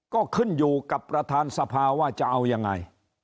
ก็ขึ้นอยู่กับประธานสภาว่าจะเอายังไง